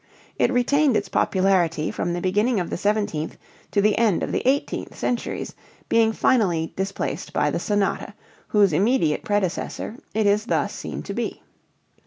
It retained its popularity from the beginning of the seventeenth to the end of the eighteenth centuries, being finally displaced by the sonata, whose immediate predecessor it is thus seen to be.